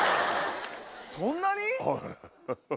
そんなに？